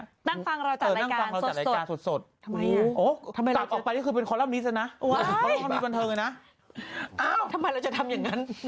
นั่งฟังรอจากรายการสดทำไมล่ะอ๋อกลับออกไปก็คือเป็นคอลัมน์นี้ซะนะทำไมเราจะทำอย่างงั้น